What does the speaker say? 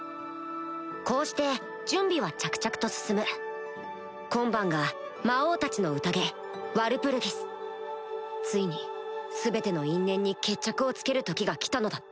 こうして準備は着々と進む今晩が魔王たちの宴ワルプルギスついに全ての因縁に決着をつける時が来たのだった